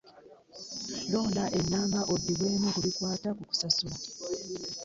Londa ennamba oddibwemu ku bikwata ku kusasula.